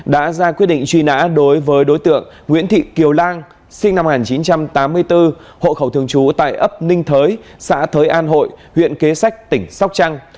đã ra quyết định truy nã đối với đối tượng nguyễn thị kiều lan sinh năm một nghìn chín trăm tám mươi bốn hộ khẩu thường trú tại ấp ninh thới xã thới an hội huyện kế sách tỉnh sóc trăng